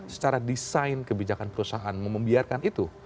secara desain kebijakan perusahaan membiarkan itu